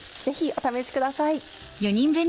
ぜひお試しください。